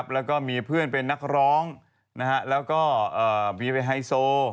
แล้วก็มีเพื่อนเป็นนักร้องแล้วก็บีไปไฮโซ